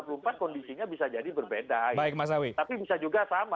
tapi bisa juga sama gitu